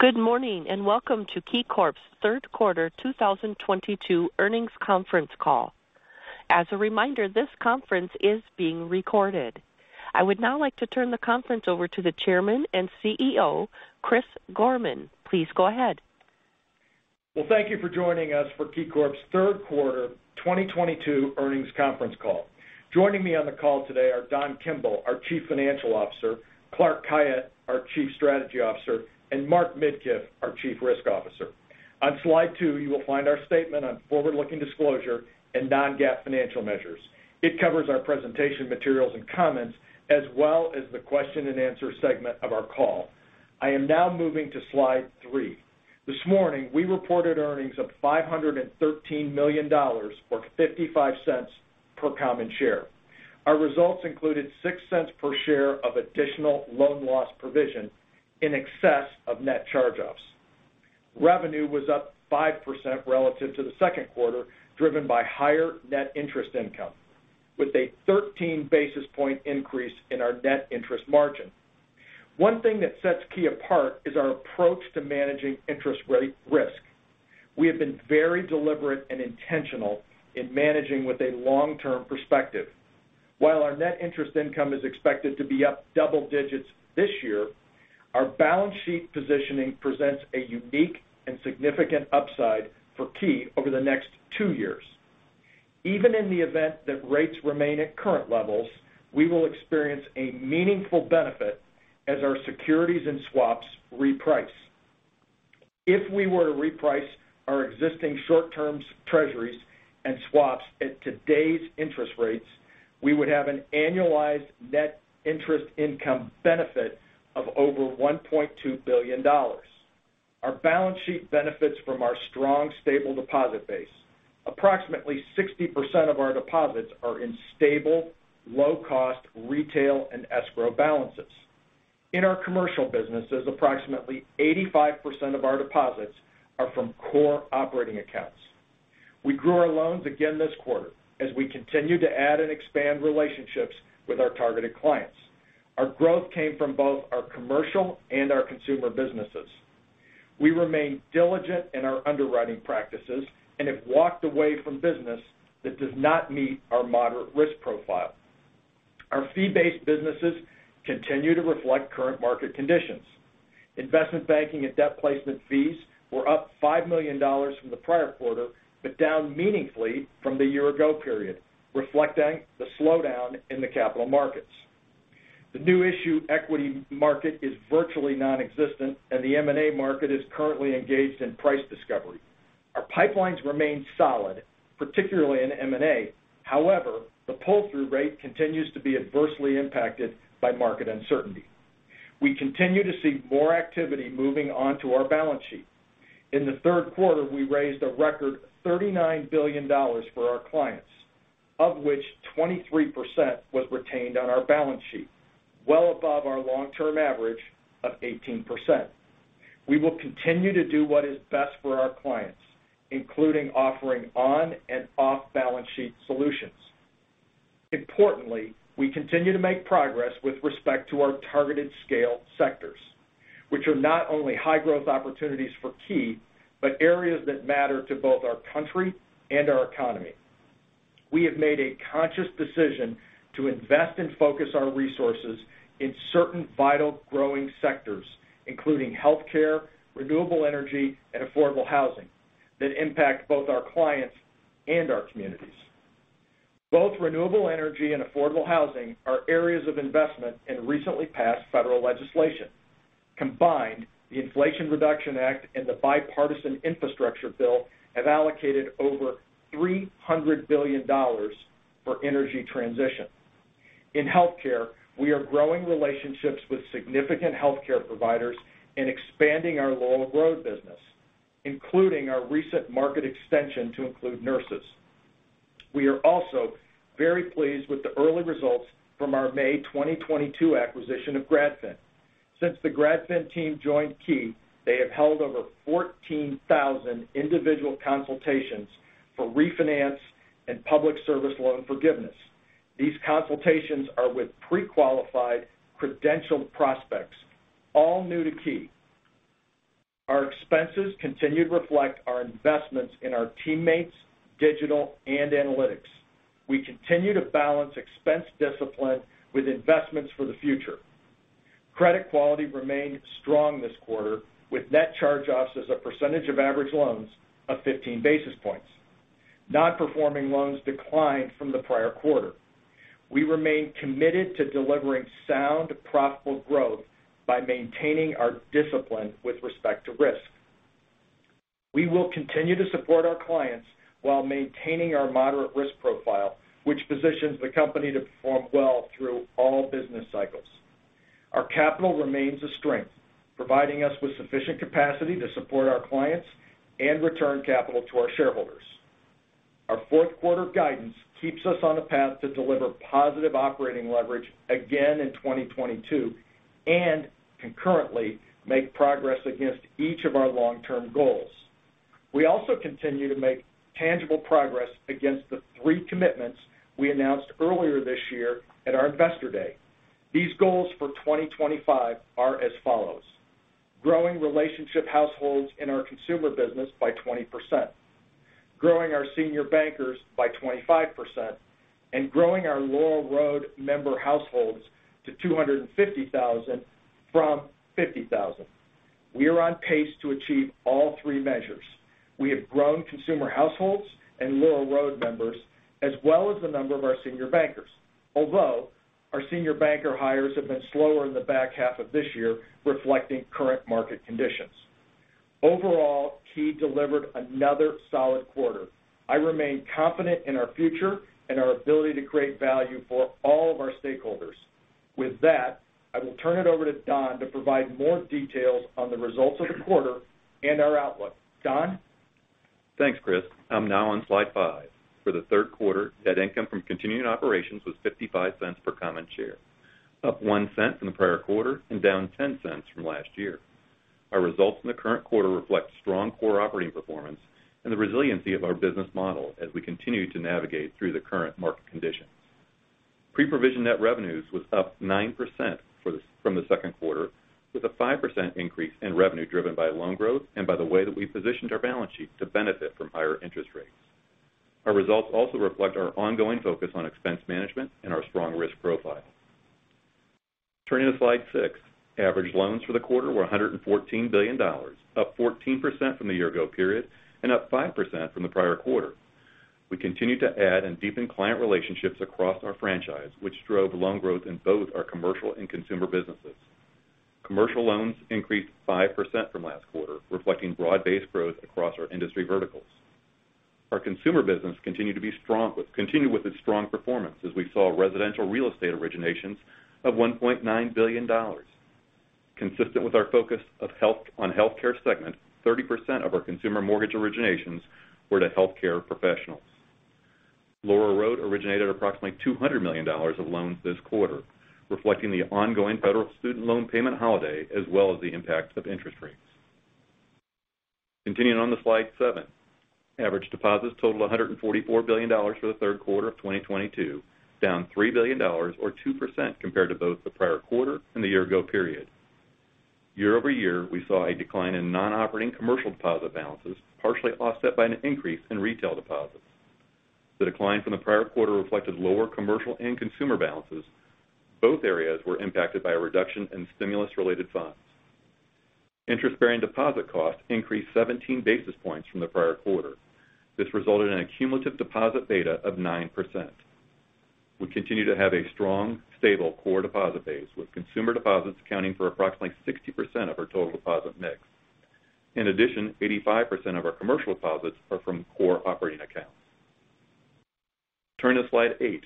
Good morning, and welcome to KeyCorp's Third Quarter 2022 Earnings Conference Call. As a reminder, this conference is being recorded. I would now like to turn the conference over to the Chairman and CEO, Chris Gorman. Please go ahead. Well, thank you for joining us for KeyCorp's Third Quarter 2022 Earnings Conference Call. Joining me on the call today are Don Kimble, our Chief Financial Officer, Clark Khayat, our Chief Strategy Officer, and Mark Midkiff, our Chief Risk Officer. On slide two, you will find our statement on forward-looking disclosure and non-GAAP financial measures. It covers our presentation materials and comments as well as the question-and-answer segment of our call. I am now moving to slide three. This morning, we reported earnings of $513 million, or $0.55 per common share. Our results included $0.06 per share of additional loan loss provision in excess of net charge-offs. Revenue was up 5% relative to the second quarter, driven by higher net interest income with a 13 basis point increase in our net interest margin. One thing that sets Key apart is our approach to managing interest rate risk. We have been very deliberate and intentional in managing with a long-term perspective. While our net interest income is expected to be up double digits this year, our balance sheet positioning presents a unique and significant upside for Key over the next two years. Even in the event that rates remain at current levels, we will experience a meaningful benefit as our securities and swaps reprice. If we were to reprice our existing short-term treasuries and swaps at today's interest rates, we would have an annualized net interest income benefit of over $1.2 billion. Our balance sheet benefits from our strong, stable deposit base. Approximately 60% of our deposits are in stable, low-cost retail and escrow balances. In our commercial businesses, approximately 85% of our deposits are from core operating accounts. We grew our loans again this quarter as we continue to add and expand relationships with our targeted clients. Our growth came from both our commercial and our consumer businesses. We remain diligent in our underwriting practices and have walked away from business that does not meet our moderate risk profile. Our fee-based businesses continue to reflect current market conditions. Investment banking and debt placement fees were up $5 million from the prior quarter, but down meaningfully from the year ago period, reflecting the slowdown in the capital markets. The new issue equity market is virtually nonexistent, and the M&A market is currently engaged in price discovery. Our pipelines remain solid, particularly in M&A. However, the pull-through rate continues to be adversely impacted by market uncertainty. We continue to see more activity moving onto our balance sheet. In the third quarter, we raised a record $39 billion for our clients, of which 23% was retained on our balance sheet, well above our long-term average of 18%. We will continue to do what is best for our clients, including offering on and off-balance sheet solutions. Importantly, we continue to make progress with respect to our targeted scale sectors, which are not only high-growth opportunities for Key, but areas that matter to both our country and our economy. We have made a conscious decision to invest and focus our resources in certain vital growing sectors, including healthcare, renewable energy, and affordable housing that impact both our clients and our communities. Both renewable energy and affordable housing are areas of investment in recently passed federal legislation. Combined, the Inflation Reduction Act and the Bipartisan Infrastructure Bill have allocated over $300 billion for energy transition. In healthcare, we are growing relationships with significant healthcare providers and expanding our Laurel Road business, including our recent market extension to include nurses. We are also very pleased with the early results from our May 2022 acquisition of GradFin. Since the GradFin team joined Key, they have held over 14,000 individual consultations for refinance and public service loan forgiveness. These consultations are with pre-qualified, credentialed prospects, all new to Key. Our expenses continue to reflect our investments in our teammates, digital and analytics. We continue to balance expense discipline with investments for the future. Credit quality remained strong this quarter with net charge-offs as a percentage of average loans of 15 basis points. Non-performing loans declined from the prior quarter. We remain committed to delivering sound, profitable growth by maintaining our discipline with respect to risk. We will continue to support our clients while maintaining our moderate risk profile, which positions the company to perform well through all business cycles. Our capital remains a strength, providing us with sufficient capacity to support our clients and return capital to our shareholders. Our fourth quarter guidance keeps us on a path to deliver positive operating leverage again in 2022 and concurrently make progress against each of our long-term goals. We also continue to make tangible progress against the three commitments we announced earlier this year at our Investor Day. These goals for 2025 are as follows. Growing relationship households in our consumer business by 20%, growing our senior bankers by 25%, and growing our Laurel Road member households to 250,000 from 50,000. We are on pace to achieve all three measures. We have grown consumer households and Laurel Road members, as well as the number of our senior bankers. Although, our senior banker hires have been slower in the back half of this year, reflecting current market conditions. Overall, Key delivered another solid quarter. I remain confident in our future and our ability to create value for all of our stakeholders. With that, I will turn it over to Don to provide more details on the results of the quarter and our outlook. Don? Thanks, Chris. I'm now on slide five. For the third quarter, net income from continuing operations was $0.55 per common share, up $0.01 from the prior quarter and down $0.10 from last year. Our results in the current quarter reflect strong core operating performance and the resiliency of our business model as we continue to navigate through the current market conditions. Pre-provision net revenues was up 9% from the second quarter, with a 5% increase in revenue driven by loan growth and by the way that we positioned our balance sheet to benefit from higher interest rates. Our results also reflect our ongoing focus on expense management and our strong risk profile. Turning to slide six. Average loans for the quarter were $114 billion, up 14% from the year ago period and up 5% from the prior quarter. We continued to add and deepen client relationships across our franchise, which drove loan growth in both our commercial and consumer businesses. Commercial loans increased 5% from last quarter, reflecting broad-based growth across our industry verticals. Our consumer business continued with its strong performance as we saw residential real estate originations of $1.9 billion. Consistent with our focus on healthcare segment, 30% of our consumer mortgage originations were to healthcare professionals. Laurel Road originated approximately $200 million of loans this quarter, reflecting the ongoing federal student loan payment holiday, as well as the impact of interest rates. Continuing on to slide seven. Average deposits totaled $144 billion for the third quarter of 2022, down $3 billion or 2% compared to both the prior quarter and the year-ago period. Year-over-year, we saw a decline in non-operating commercial deposit balances, partially offset by an increase in retail deposits. The decline from the prior quarter reflected lower commercial and consumer balances. Both areas were impacted by a reduction in stimulus-related funds. Interest-bearing deposit costs increased 17 basis points from the prior quarter. This resulted in a cumulative deposit beta of 9%. We continue to have a strong, stable core deposit base, with consumer deposits accounting for approximately 60% of our total deposit mix. In addition, 85% of our commercial deposits are from core operating accounts. Turning to slide eight.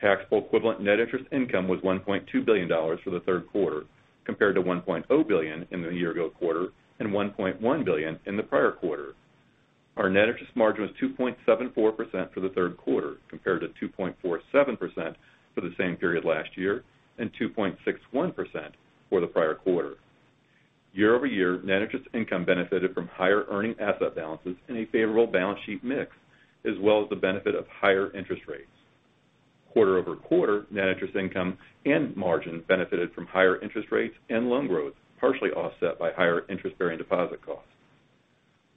Taxable equivalent net interest income was $1.2 billion for the third quarter, compared to $1.0 billion in the year-ago quarter and $1.1 billion in the prior quarter. Our net interest margin was 2.74% for the third quarter, compared to 2.47% for the same period last year and 2.61% for the prior quarter. Year-over-year, net interest income benefited from higher earning asset balances and a favorable balance sheet mix, as well as the benefit of higher interest rates. Quarter-over-quarter, net interest income and margin benefited from higher interest rates and loan growth, partially offset by higher interest-bearing deposit costs.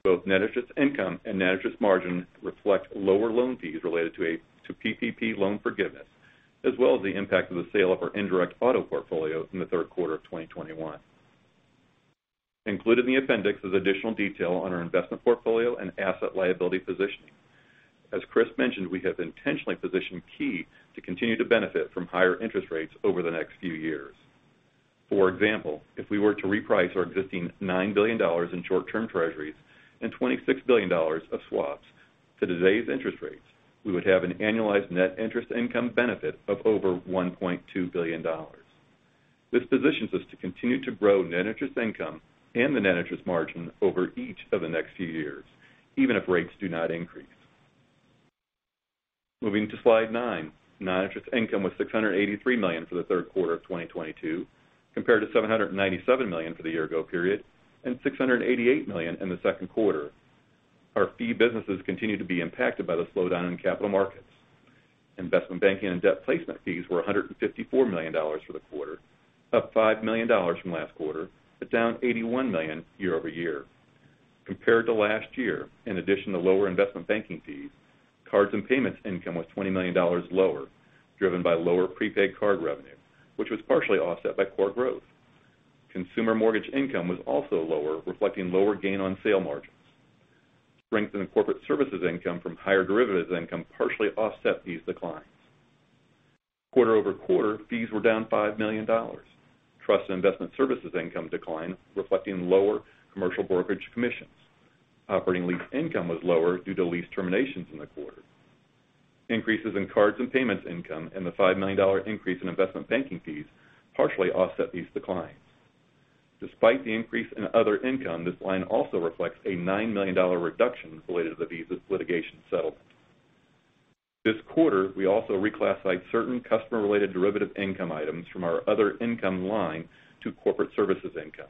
Both net interest income and net interest margin reflect lower loan fees related to PPP loan forgiveness, as well as the impact of the sale of our indirect auto portfolio in the third quarter of 2021. Included in the appendix is additional detail on our investment portfolio and asset/liability positioning. As Chris mentioned, we have intentionally positioned Key to continue to benefit from higher interest rates over the next few years. For example, if we were to reprice our existing $9 billion in short-term treasuries and $26 billion of swaps to today's interest rates, we would have an annualized net interest income benefit of over $1.2 billion. This positions us to continue to grow net interest income and the net interest margin over each of the next few years, even if rates do not increase. Moving to slide nine. Non-interest income was $683 million for the third quarter of 2022, compared to $797 million for the year-ago period and $688 million in the second quarter. Our fee businesses continue to be impacted by the slowdown in capital markets. Investment banking and debt placement fees were $154 million for the quarter, up $5 million from last quarter, but down $81 million year-over-year. Compared to last year, in addition to lower investment banking fees, cards and payments income was $20 million lower, driven by lower prepaid card revenue, which was partially offset by core growth. Consumer mortgage income was also lower, reflecting lower gain on sale margins. Strength in corporate services income from higher derivatives income partially offset these declines. Quarter-over-quarter, fees were down $5 million. Trust and investment services income declined, reflecting lower commercial brokerage commissions. Operating lease income was lower due to lease terminations in the quarter. Increases in cards and payments income and the $5 million increase in investment banking fees partially offset these declines. Despite the increase in other income, this line also reflects a $9 million reduction related to the Visa litigation settlement. This quarter, we also reclassified certain customer-related derivative income items from our other income line to corporate services income.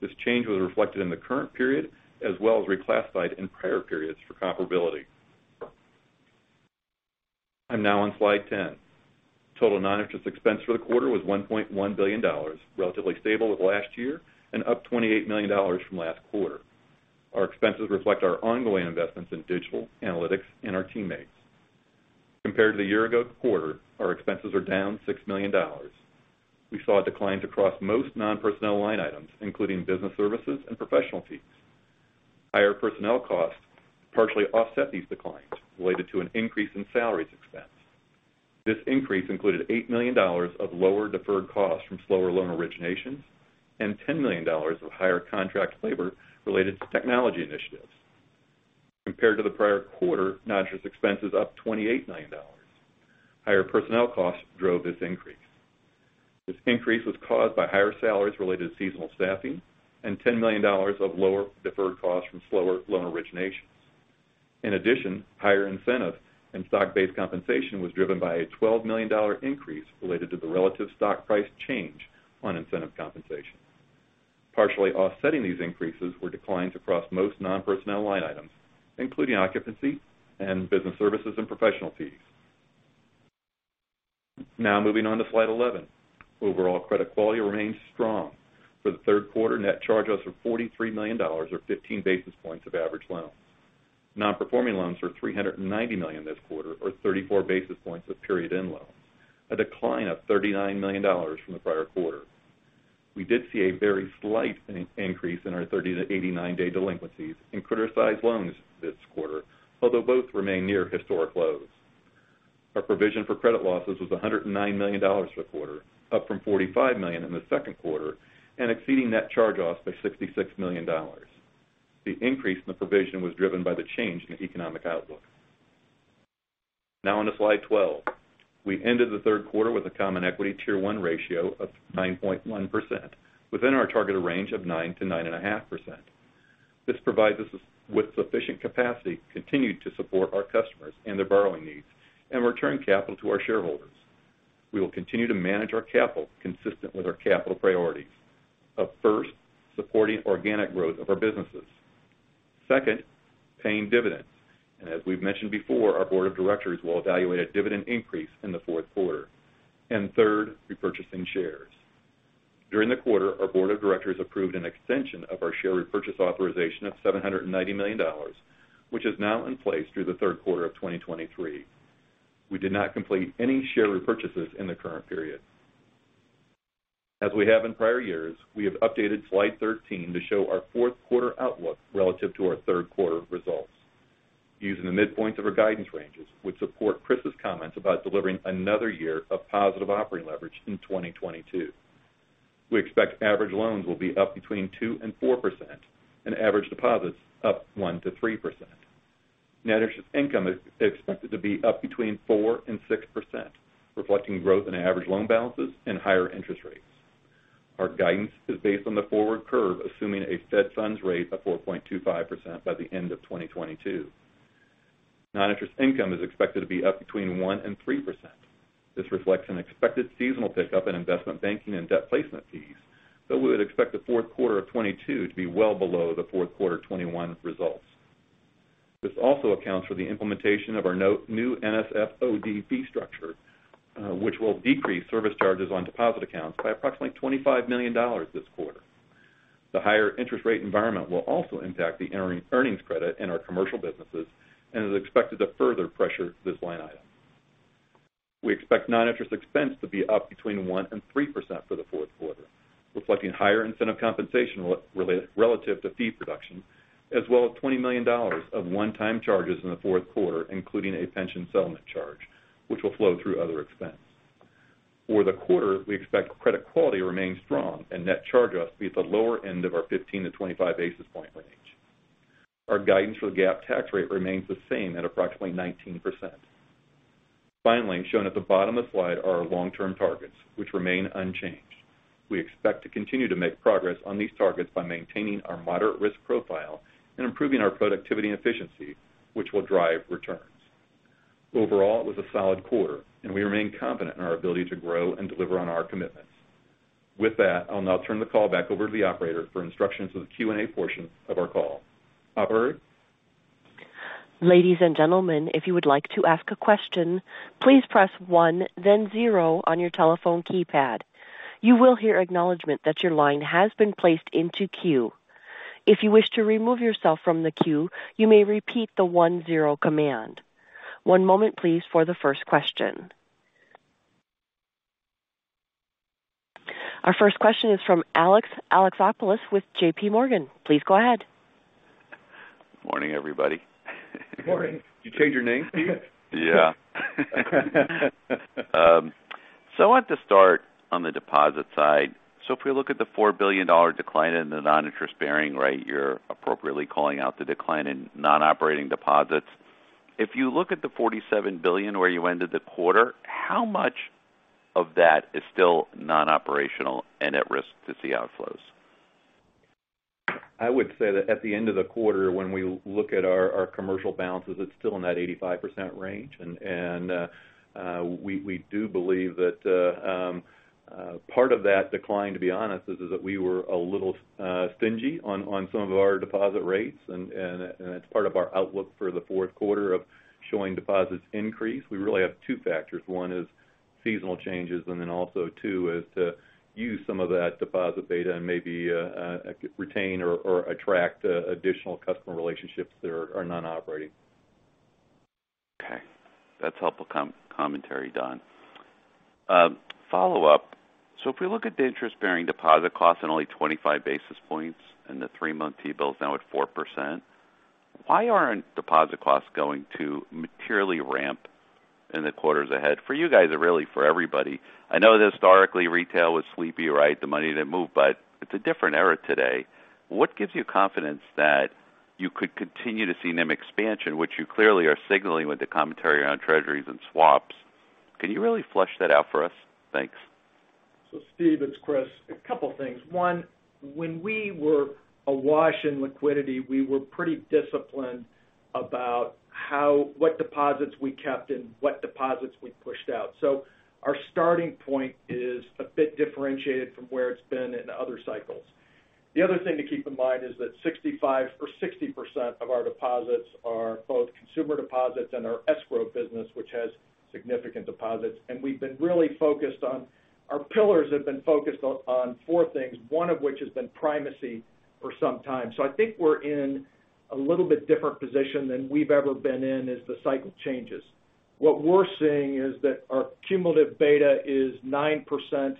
This change was reflected in the current period, as well as reclassified in prior periods for comparability. I'm now on slide 10. Total non-interest expense for the quarter was $1.1 billion, relatively stable with last year and up $28 million from last quarter. Our expenses reflect our ongoing investments in digital, analytics, and our teammates. Compared to the year ago quarter, our expenses are down $6 million. We saw declines across most non-personnel line items, including business services and professional fees. Higher personnel costs partially offset these declines related to an increase in salaries expense. This increase included $8 million of lower deferred costs from slower loan originations and $10 million of higher contract labor related to technology initiatives. Compared to the prior quarter, non-interest expense is up $28 million. Higher personnel costs drove this increase. This increase was caused by higher salaries related to seasonal staffing and $10 million of lower deferred costs from slower loan originations. In addition, higher incentive and stock-based compensation was driven by a $12 million increase related to the relative stock price change on incentive compensation. Partially offsetting these increases were declines across most non-personnel line items, including occupancy and business services and professional fees. Now moving on to slide 11. Overall credit quality remains strong. For the third quarter, net charge-offs were $43 million or 15 basis points of average loans. Non-performing loans were $390 million this quarter or 34 basis points of period-end loans, a decline of $39 million from the prior quarter. We did see a very slight increase in our 30- to 89-day delinquencies in criticized loans this quarter, although both remain near historic lows. Our provision for credit losses was $109 million for the quarter, up from $45 million in the second quarter and exceeding net charge-offs by $66 million. The increase in the provision was driven by the change in the economic outlook. Now on to slide 12. We ended the third quarter with a Common Equity Tier 1 ratio of 9.1% within our targeted range of 9%-9.5%. This provides us with sufficient capacity to continue to support our customers and their borrowing needs and return capital to our shareholders. We will continue to manage our capital consistent with our capital priorities of, first, supporting organic growth of our businesses. Second, paying dividends. As we've mentioned before, our Board of Directors will evaluate a dividend increase in the fourth quarter. Third, repurchasing shares. During the quarter, our Board of Directors approved an extension of our share repurchase authorization of $790 million, which is now in place through the third quarter of 2023. We did not complete any share repurchases in the current period. As we have in prior years, we have updated slide 13 to show our fourth quarter outlook relative to our third quarter results. Using the midpoint of our guidance ranges would support Chris's comments about delivering another year of positive operating leverage in 2022. We expect average loans will be up between 2% and 4% and average deposits up 1%-3%. Net interest income is expected to be up 4%-6%, reflecting growth in average loan balances and higher interest rates. Our guidance is based on the forward curve, assuming a Fed funds rate of 4.25% by the end of 2022. Non-interest income is expected to be up 1%-3%. This reflects an expected seasonal pickup in investment banking and debt placement fees, but we would expect the fourth quarter of 2022 to be well below the fourth quarter 2021 results. This also accounts for the implementation of our no-new NSF OD fee structure, which will decrease service charges on deposit accounts by approximately $25 million this quarter. The higher interest rate environment will also impact the earnings credit in our commercial businesses and is expected to further pressure this line item. We expect non-interest expense to be up between 1% and 3% for the fourth quarter, reflecting higher incentive compensation relative to fee production, as well as $20 million of one-time charges in the fourth quarter, including a pension settlement charge, which will flow through other expense. For the quarter, we expect credit quality to remain strong and net charge-offs to be at the lower end of our 15-25 basis point range. Our guidance for the GAAP tax rate remains the same at approximately 19%. Finally, shown at the bottom of the slide are our long-term targets, which remain unchanged. We expect to continue to make progress on these targets by maintaining our moderate risk profile and improving our productivity and efficiency, which will drive returns. Overall, it was a solid quarter, and we remain confident in our ability to grow and deliver on our commitments. With that, I'll now turn the call back over to the operator for instructions to the Q&A portion of our call. Operator? Ladies and gentlemen, if you would like to ask a question, please press one, then zero on your telephone keypad. You will hear acknowledgment that your line has been placed into queue. If you wish to remove yourself from the queue, you may repeat the one-zero command. One moment please for the first question. Our first question is from Steve Alexopoulos with JPMorgan. Please go ahead. Morning, everybody. Morning. You changed your name, Steve? Yeah, I want to start on the deposit side. If we look at the $4 billion decline in the non-interest-bearing deposits, you're appropriately calling out the decline in non-operating deposits. If you look at the $47 billion where you ended the quarter, how much of that is still non-operational and at risk to see outflows? I would say that at the end of the quarter when we look at our commercial balances, it's still in that 85% range. We do believe that part of that decline, to be honest, is that we were a little stingy on some of our deposit rates and it's part of our outlook for the fourth quarter of showing deposits increase. We really have two factors. One is seasonal changes, and then also two is to use some of that deposit beta and maybe retain or attract additional customer relationships that are non-operating. Okay. That's helpful commentary, Don. Follow-up. If we look at the interest-bearing deposit costs at only 25 basis points and the three-month T-bill is now at 4%, why aren't deposit costs going to materially ramp in the quarters ahead for you guys or really for everybody? I know that historically retail was sleepy, right? The money didn't move, but it's a different era today. What gives you confidence that you could continue to see NIM expansion, which you clearly are signaling with the commentary around treasuries and swaps. Can you really flesh that out for us? Thanks. Steve, it's Chris. A couple things. One, when we were awash in liquidity, we were pretty disciplined about what deposits we kept and what deposits we pushed out. Our starting point is a bit differentiated from where it's been in other cycles. The other thing to keep in mind is that 65% or 60% of our deposits are both consumer deposits and our escrow business, which has significant deposits. We've been really focused on. Our pillars have been focused on four things, one of which has been primacy for some time. I think we're in a little bit different position than we've ever been in as the cycle changes. What we're seeing is that our cumulative beta is 9%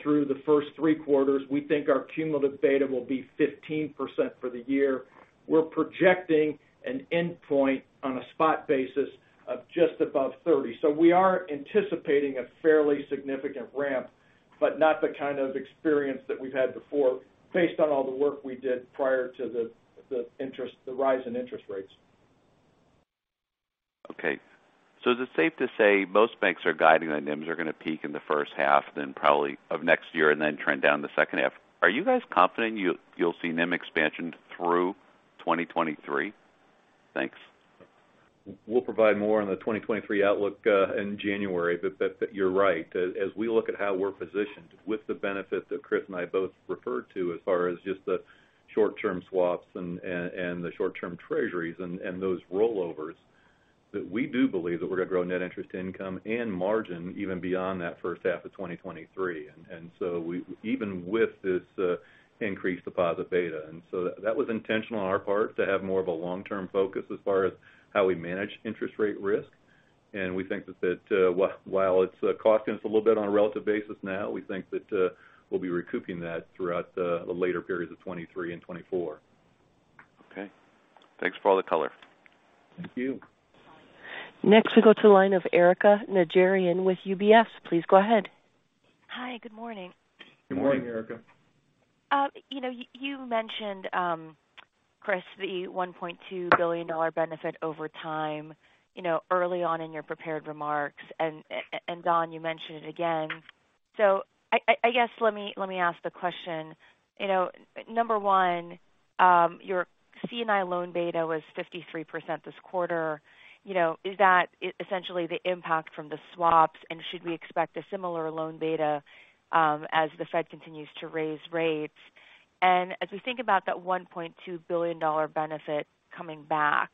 through the first three quarters. We think our cumulative beta will be 15% for the year. We're projecting an endpoint on a spot basis of just above 30%. We are anticipating a fairly significant ramp, but not the kind of experience that we've had before based on all the work we did prior to the rise in interest rates. Okay. Is it safe to say most banks are guiding that NIMs are going to peak in the first half of next year and then trend down the second half? Are you guys confident you'll see NIM expansion through 2023? Thanks. We'll provide more on the 2023 outlook in January. You're right. As we look at how we're positioned with the benefit that Chris and I both referred to as far as just the short-term swaps and the short-term treasuries and those rollovers, that we do believe that we're going to grow net interest income and margin even beyond that first half of 2023. Even with this increased deposit beta. That was intentional on our part to have more of a long-term focus as far as how we manage interest rate risk. We think that while it's costing us a little bit on a relative basis now, we think that we'll be recouping that throughout the later periods of 2023 and 2024. Okay. Thanks for all the color. Thank you. Next we go to the line of Erika Najarian with UBS. Please go ahead. Hi. Good morning. Good morning, Erika. You know, you mentioned, Chris, the $1.2 billion benefit over time, you know, early on in your prepared remarks. And Don, you mentioned it again. I guess let me ask the question. You know, number one, your C&I loan beta was 53% this quarter. You know, is that essentially the impact from the swaps? And should we expect a similar loan beta as the Fed continues to raise rates? And as we think about that $1.2 billion benefit coming back,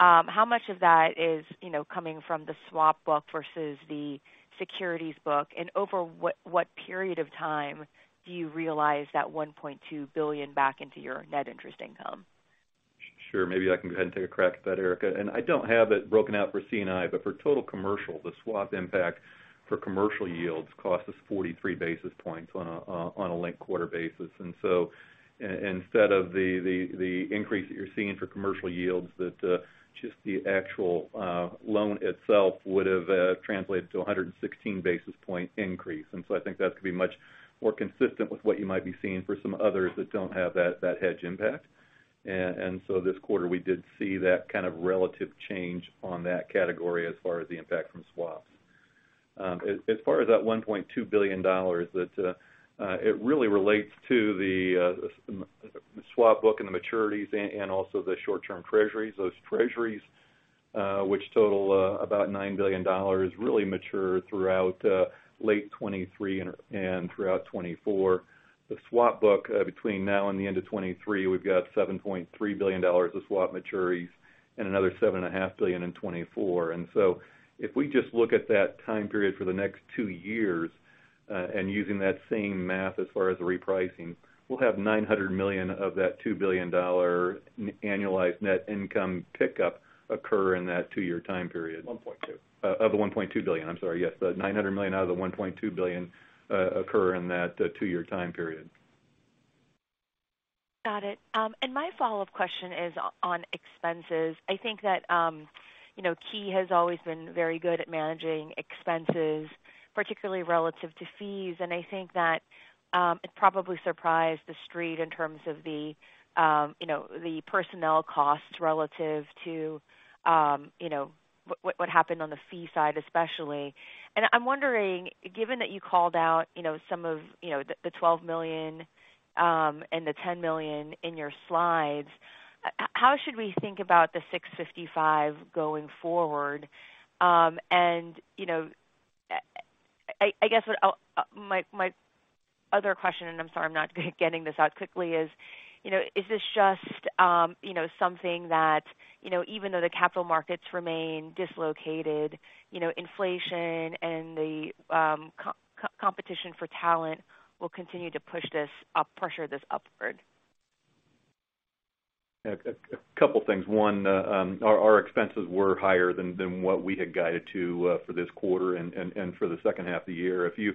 how much of that is, you know, coming from the swap book versus the securities book? And over what period of time do you realize that $1.2 billion back into your net interest income? Sure. Maybe I can go ahead and take a crack at that, Erika. I don't have it broken out for C&I, but for total commercial, the swap impact for commercial yields cost us 43 basis points on a linked quarter basis. Instead of the increase that you're seeing for commercial yields that just the actual loan itself would have translated to 116 basis point increase. I think that could be much more consistent with what you might be seeing for some others that don't have that hedge impact. This quarter, we did see that kind of relative change on that category as far as the impact from swaps. As far as that $1.2 billion, it really relates to the swap book and the maturities and also the short-term treasuries. Those treasuries, which total about $9 billion, really mature throughout late 2023 and throughout 2024. The swap book between now and the end of 2023, we've got $7.3 billion of swap maturities and another $7.5 billion in 2024. If we just look at that time period for the next two years and using that same math as far as the repricing, we'll have $900 million of that $2 billion annualized net income pickup occur in that two-year time period. $1.2 billion. Of the $1.2 billion. I'm sorry, yes. The $900 million out of the $1.2 billion occur in that two-year time period. Got it. My follow-up question is on expenses. I think that, you know, Key has always been very good at managing expenses, particularly relative to fees. I think that, it probably surprised the street in terms of the, you know, the personnel costs relative to, you know, what happened on the fee side, especially. I'm wondering, given that you called out, you know, some of, you know, the $12 million and the $10 million in your slides, how should we think about the $655 million going forward? I guess my other question, and I'm sorry I'm not getting this out quickly, is, you know, is this just, you know, something that, you know, even though the capital markets remain dislocated, you know, inflation and the competition for talent will continue to push this up, pressure this upward? A couple things. One, our expenses were higher than what we had guided to for this quarter and for the second half of the year. If you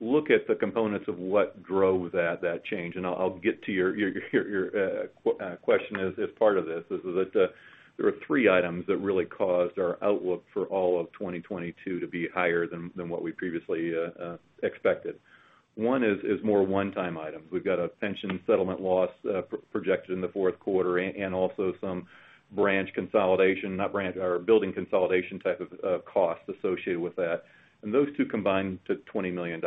look at the components of what drove that change, and I'll get to your question as part of this, is that there are three items that really caused our outlook for all of 2022 to be higher than what we previously expected. One is more one-time items. We've got a pension settlement loss projected in the fourth quarter and also some branch consolidation, or building consolidation type of costs associated with that. Those two combined to $20 million.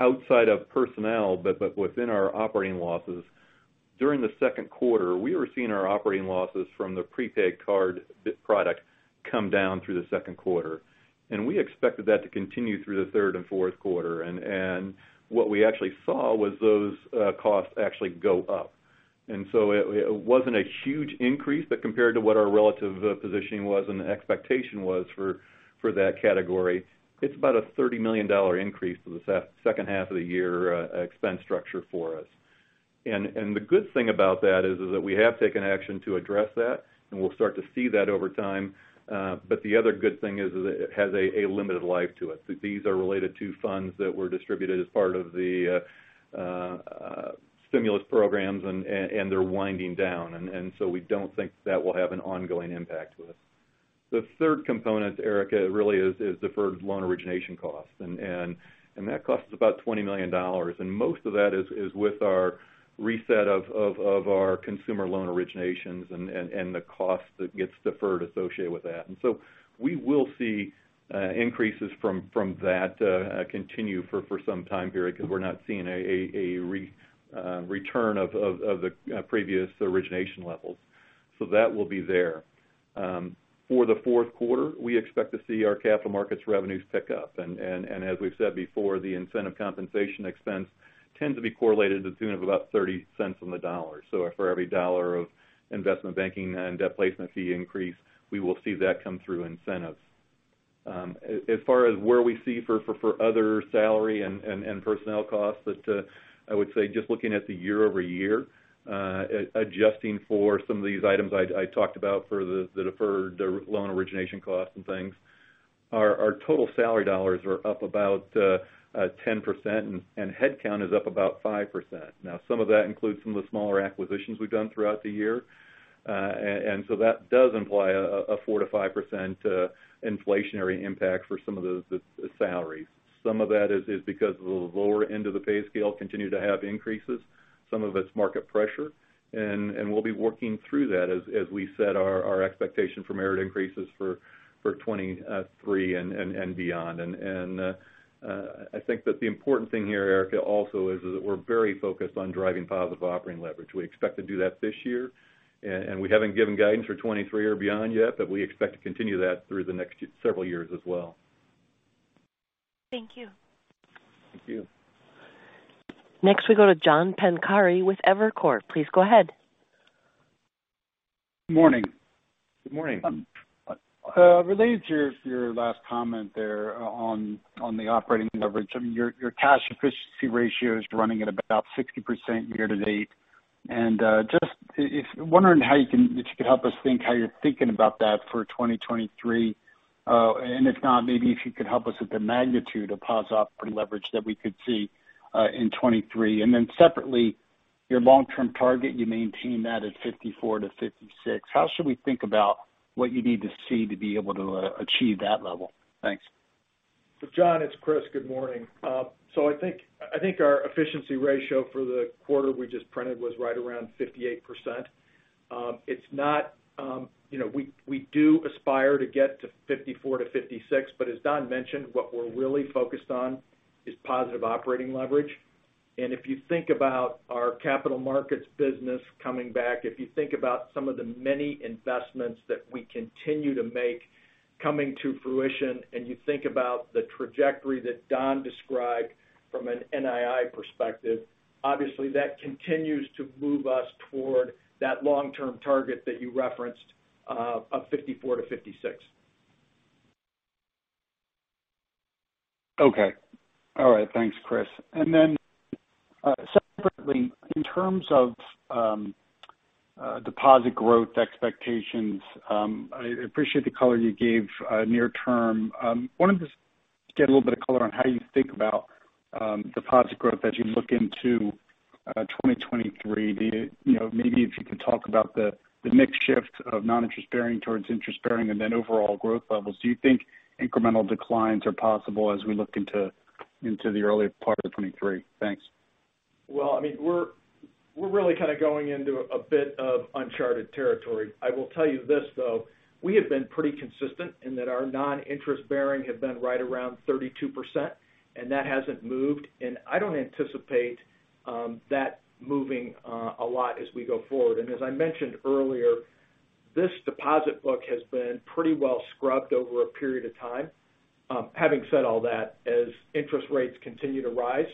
Outside of personnel, but within our operating losses, during the second quarter, we were seeing our operating losses from the prepaid card by-product come down through the second quarter. We expected that to continue through the third and fourth quarter. What we actually saw was those costs actually go up. It wasn't a huge increase, but compared to what our relative positioning was and the expectation was for that category, it's about a $30 million increase for the second half of the year, expense structure for us. The good thing about that is that we have taken action to address that, and we'll start to see that over time. The other good thing is that it has a limited life to it. These are related to funds that were distributed as part of the stimulus programs and they're winding down. We don't think that will have an ongoing impact to us. The third component, Erika, really is deferred loan origination costs. That cost is about $20 million, and most of that is with our reset of our consumer loan originations and the cost that gets deferred associated with that. We will see increases from that continue for some time period because we're not seeing a return of the previous origination levels. That will be there. For the fourth quarter, we expect to see our capital markets revenues pick up. As we've said before, the incentive compensation expense tends to be correlated to the tune of about 0.30 on the dollar. For every dollar of investment banking and debt placement fee increase, we will see that come through incentives. As far as where we see for other salary and personnel costs, I would say just looking at the year-over-year, adjusting for some of these items I talked about for the deferred loan origination costs and things, our total salary dollars are up about 10% and head count is up about 5%. Now, some of that includes some of the smaller acquisitions we've done throughout the year. That does imply a 4%-5% inflationary impact for some of the salaries. Some of that is because of the lower end of the pay scale continue to have increases. Some of it's market pressure. We'll be working through that as we set our expectation for merit increases for 2023 and beyond. I think that the important thing here, Erika, also is that we're very focused on driving positive operating leverage. We expect to do that this year and we haven't given guidance for 2023 or beyond yet, but we expect to continue that through the next several years as well. Thank you. Thank you. Next, we go to John Pancari with Evercore. Please go ahead. Morning. Good morning. Related to your last comment there on the operating leverage. I mean, your cash efficiency ratio is running at about 60% year-to-date. Just wondering how you could help us think how you're thinking about that for 2023. If not, maybe if you could help us with the magnitude of positive operating leverage that we could see in 2023. Then separately, your long-term target, you maintain that at 54-56. How should we think about what you need to see to be able to achieve that level? Thanks. John, it's Chris. Good morning. I think our efficiency ratio for the quarter we just printed was right around 58%. You know, we do aspire to get to 54%-56%, but as Don mentioned, what we're really focused on is positive operating leverage. If you think about our capital markets business coming back, if you think about some of the many investments that we continue to make coming to fruition, and you think about the trajectory that Don described from an NII perspective, obviously that continues to move us toward that long-term target that you referenced of 54%-56%. Okay. All right. Thanks, Chris. Separately, in terms of deposit growth expectations, I appreciate the color you gave near term. Wanted to just get a little bit of color on how you think about deposit growth as you look into 2023. You know, maybe if you could talk about the mix shift of non-interest bearing towards interest bearing and then overall growth levels. Do you think incremental declines are possible as we look into the early part of 2023? Thanks. Well, I mean, we're really kind of going into a bit of uncharted territory. I will tell you this, though, we have been pretty consistent in that our non-interest bearing have been right around 32%, and that hasn't moved, and I don't anticipate that moving a lot as we go forward. As I mentioned earlier, this deposit book has been pretty well scrubbed over a period of time. Having said all that, as interest rates continue to rise,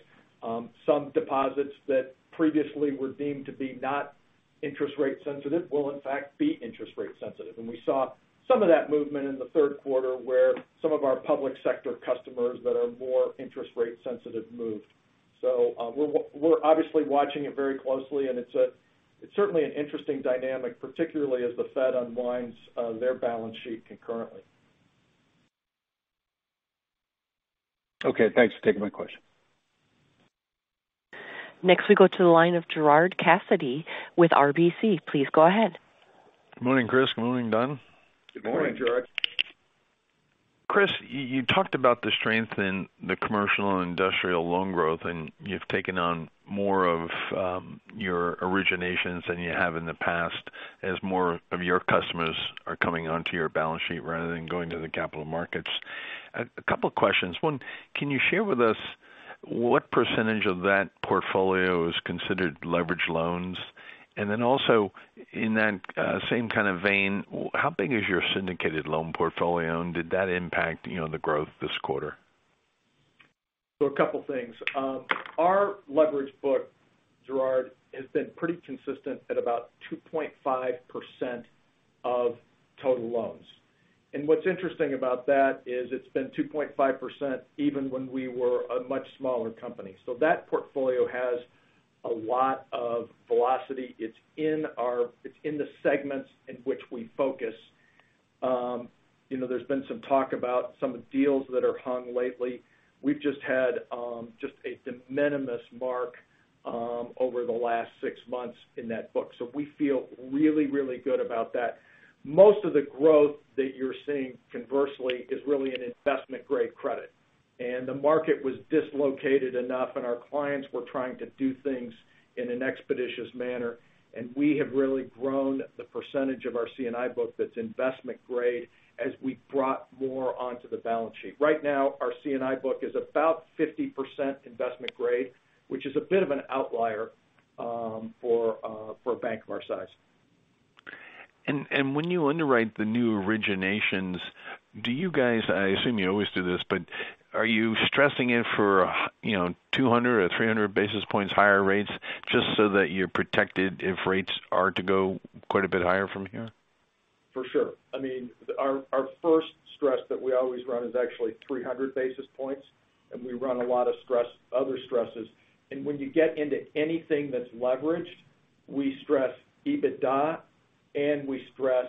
some deposits that previously were deemed to be not interest rate sensitive will in fact be interest rate sensitive. We saw some of that movement in the third quarter where some of our public sector customers that are more interest rate sensitive moved. We're obviously watching it very closely, and it's certainly an interesting dynamic, particularly as the Fed unwinds their balance sheet concurrently. Okay, thanks for taking my question. Next, we go to the line of Gerard Cassidy with RBC. Please go ahead. Morning, Chris. Morning, Don. Good morning. Good morning, Gerard. Chris, you talked about the strength in the commercial and industrial loan growth, and you've taken on more of your originations than you have in the past as more of your customers are coming onto your balance sheet rather than going to the capital markets. A couple questions. One, can you share with us what percentage of that portfolio is considered leveraged loans? And then also in that same kind of vein, how big is your syndicated loan portfolio, and did that impact you know the growth this quarter? A couple things. Our leverage book, Gerard, has been pretty consistent at about 2.5% of total loans. What's interesting about that is it's been 2.5% even when we were a much smaller company. That portfolio has a lot of velocity. It's in the segments in which we focus. You know, there's been some talk about some of the deals that are hung lately. We've just had just a de minimis mark over the last six months in that book. We feel really, really good about that. Most of the growth that you're seeing conversely is really an investment-grade credit. The market was dislocated enough, and our clients were trying to do things in an expeditious manner, and we have really grown the percentage of our C&I book that's investment grade as we brought more onto the balance sheet. Right now, our C&I book is about 50% investment grade, which is a bit of an outlier for a bank of our size. When you underwrite the new originations, do you guys, I assume you always do this, but are you stressing it for, you know, 200 or 300 basis points higher rates just so that you're protected if rates are to go quite a bit higher from here? For sure. I mean, our first stress that we always run is actually 300 basis points, and we run a lot of other stresses. When you get into anything that's leveraged, we stress EBITDA, and we stress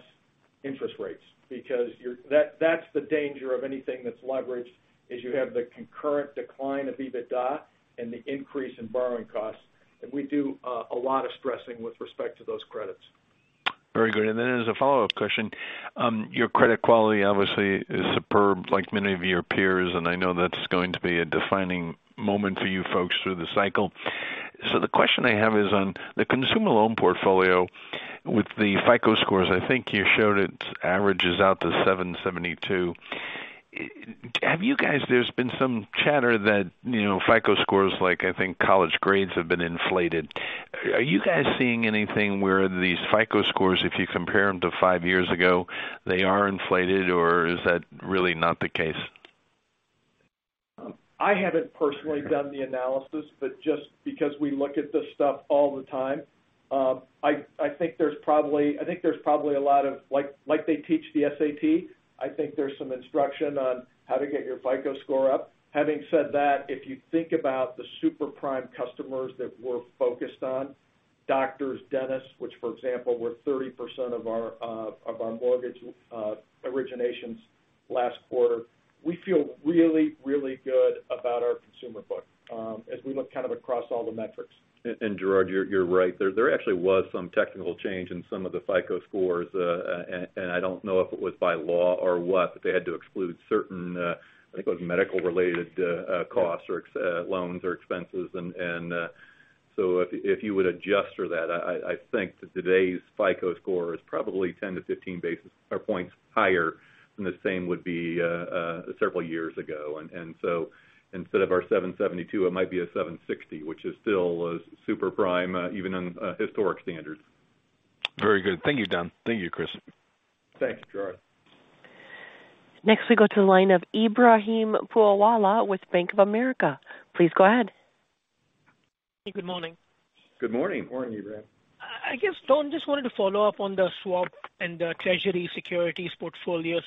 interest rates because that's the danger of anything that's leveraged, is you have the concurrent decline of EBITDA and the increase in borrowing costs. We do a lot of stressing with respect to those credits. Very good. As a follow-up question, your credit quality obviously is superb like many of your peers, and I know that's going to be a defining moment for you folks through the cycle. The question I have is on the consumer loan portfolio with the FICO scores. I think you showed it averages out to 772. Have you guys seen anything where these FICO scores, if you compare them to five years ago, they are inflated, or is that really not the case? There's been some chatter that, you know, FICO scores, like I think college grades, have been inflated. Are you guys seeing anything where these FICO scores, if you compare them to five years ago, they are inflated, or is that really not the case? I haven't personally done the analysis, but just because we look at this stuff all the time, I think there's probably a lot of, like, they teach the SAT. I think there's some instruction on how to get your FICO score up. Having said that, if you think about the super prime customers that we're focused on, doctors, dentists, which for example, were 30% of our mortgage originations last quarter, we feel really good about our consumer book as we look kind of across all the metrics. Gerard, you're right. There actually was some technical change in some of the FICO scores. I don't know if it was by law or what, but they had to exclude certain, I think it was medical related, costs or loans or expenses. If you would adjust for that, I think that today's FICO score is probably 10-15 basis points higher than the same would be several years ago. Instead of our 772, it might be a 760, which is still super prime, even on historic standards. Very good. Thank you, Don. Thank you, Chris. Thanks, Gerard. Next, we go to the line of Ebrahim Poonawala with Bank of America. Please go ahead. Good morning. Good morning. Morning, Ebrahim. I guess, Don, just wanted to follow up on the swap and the treasury securities portfolio.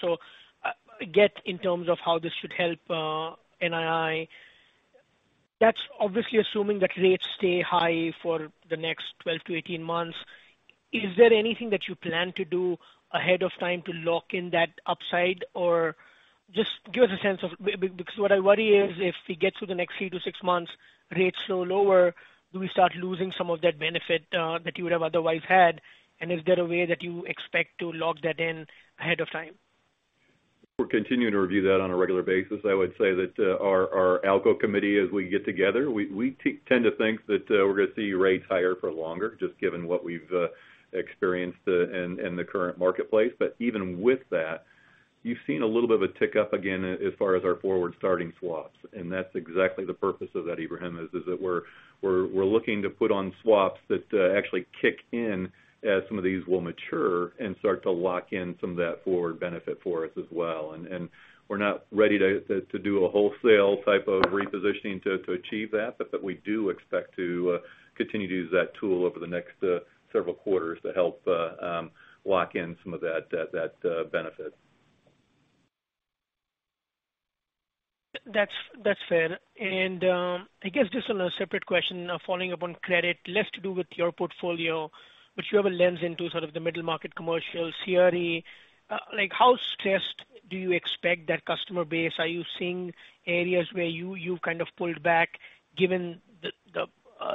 I get in terms of how this should help, NII. That's obviously assuming that rates stay high for the next 12-18 months. Is there anything that you plan to do ahead of time to lock in that upside? Or just give us a sense of because what I worry is if we get through the next three-six months, rates slow lower, do we start losing some of that benefit, that you would have otherwise had? Is there a way that you expect to lock that in ahead of time? We're continuing to review that on a regular basis. I would say that our ALCO committee, as we get together, we tend to think that we're gonna see rates higher for longer, just given what we've experienced in the current marketplace. Even with that, you've seen a little bit of a tick up again as far as our forward starting swaps, and that's exactly the purpose of that, Ebrahim, is that we're looking to put on swaps that actually kick in as some of these will mature and start to lock in some of that forward benefit for us as well. We're not ready to do a wholesale type of repositioning to achieve that. We do expect to continue to use that tool over the next several quarters to help lock in some of that benefit. That's fair. I guess just on a separate question, following up on credit, less to do with your portfolio, but you have a lens into sort of the middle market commercial CRE. Like, how stressed do you expect that customer base? Are you seeing areas where you've kind of pulled back given the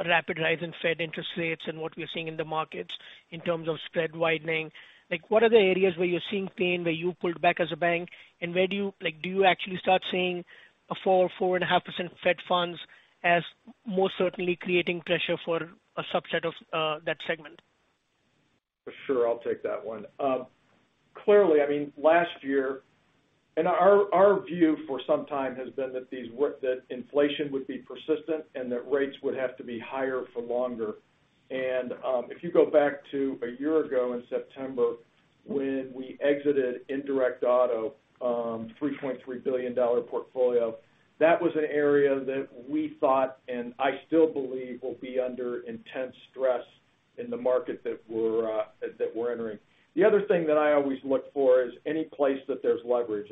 rapid rise in Fed interest rates and what we're seeing in the markets in terms of spread widening? Like, what are the areas where you're seeing pain, where you pulled back as a bank, and where do you like, do you actually start seeing a 4%-4.5% Fed funds as more certainly creating pressure for a subset of that segment? Sure. I'll take that one. Clearly, I mean, last year our view for some time has been that inflation would be persistent and that rates would have to be higher for longer. If you go back to a year ago in September, when we exited indirect auto $3.3 billion portfolio, that was an area that we thought, and I still believe will be under intense stress in the market that we're entering. The other thing that I always look for is any place that there's leverage.